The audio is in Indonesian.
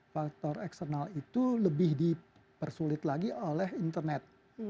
faktor eksternal itu lebih dipersulit lagi oleh internet